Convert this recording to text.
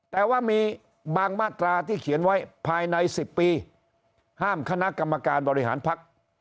แต่ว่ามีบางมาตราที่เขียนไว้ภายใน๑๐ปีห้ามคณะกรรมการบริหารพัก